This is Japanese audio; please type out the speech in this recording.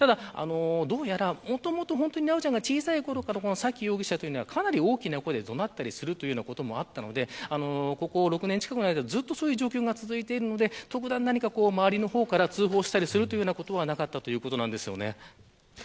どうやら、もともと修ちゃんが小さいころから、沙喜容疑者は大きな声で怒鳴ったりすることもあったので６年近くの間ずっとそういう状況が続いているので特段、周りから通報することはなかったということです。